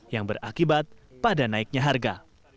yang berakibat pada naiknya harga